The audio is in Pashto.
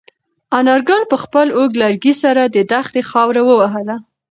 انارګل په خپل اوږد لرګي سره د دښتې خاوره ووهله.